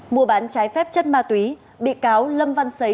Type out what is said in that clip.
mua bán trái phép chất ma túy bị cáo lâm văn xấy